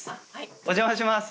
お邪魔します。